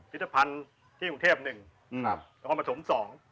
วิตภัณฑ์ที่กรุงเทพฯ๑แล้วก็เป็นสมสองด์